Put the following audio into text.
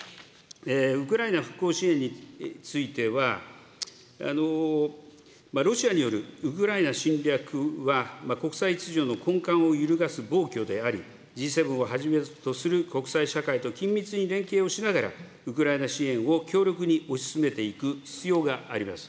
ウクライナ復興支援については、ロシアによるウクライナ侵略は、国際秩序の根幹を揺るがす暴挙であり、Ｇ７をはじめとする国際社会と緊密に連携をしながら、ウクライナ支援を強力に推し進めていく必要があります。